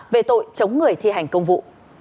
về tội chống người thi hành công vụ